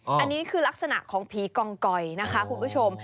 อันนี้คือลักษณะของผีกองกอยนะคะคุณผู้ชม